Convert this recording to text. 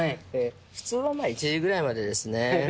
普通は１時ぐらいまでですね。